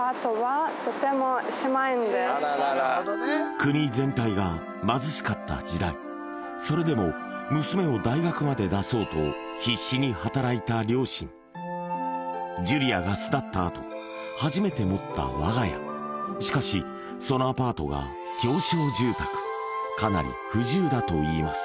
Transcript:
国全体が貧しかった時代それでも娘を大学まで出そうと必死に働いた両親ジュリアが巣立ったあと初めて持った我が家しかしそのアパートが狭小住宅かなり不自由だといいます